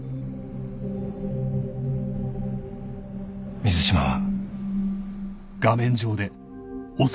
水島は。